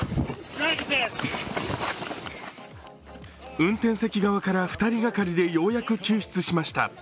運転席側から２人がかりでようやく救出しました。